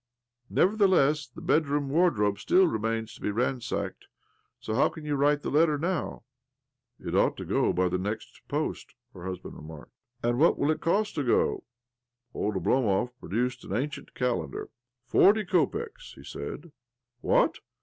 Nevertheless the bedroom wardrobe still remains to be ran sacked, so how can you write the letter now ?',' OBLOMOV 145 ' It ought to go by the next post," her husband remarked. " And what will it cost to go ?" Old Oblomov produced an ancient calen dar. ' Eorty, kopecks," he said. ' What?